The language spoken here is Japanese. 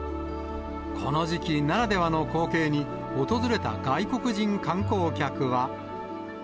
この時期ならではの光景に、訪れた外国人観光客は。